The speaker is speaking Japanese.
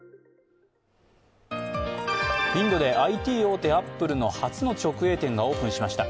インドでＩＴ大手アップルの初の直営店がオープンしました。